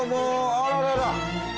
あららら。